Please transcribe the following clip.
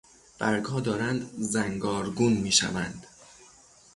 برگها دارند زنگارگون میشوند.